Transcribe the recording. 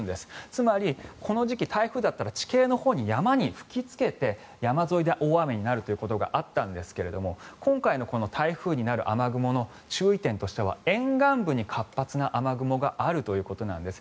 つまり、この時期台風だったら地形のほうに山に吹きつけていて山沿いで大雨になるということがあったんですが今回の台風になる雨雲の注意点としては沿岸部に活発な雨雲があるということなんです。